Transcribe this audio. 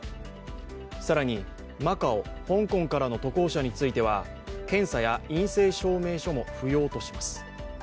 更に、マカオ・香港からの渡航者については検査や陰性証明書も不要とします。